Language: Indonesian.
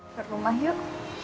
ke rumah yuk